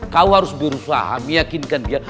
kau harus berusaha meyakinkan dia